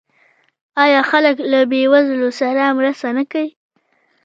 آیا خلک له بې وزلو سره مرسته نه کوي؟